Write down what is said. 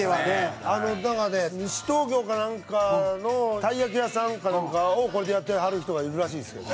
なんか西東京かなんかのたい焼き屋さんかなんかをこれでやってはる人がいるらしいんですけどね。